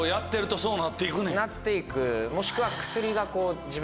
もしくは。